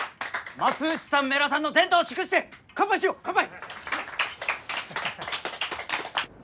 松内さん米良さんの前途を祝して乾杯しよう乾杯。